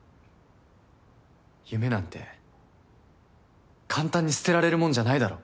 夢なんて簡単に捨てられるもんじゃないだろ。